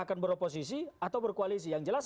akan beroposisi atau berkoalisi yang jelas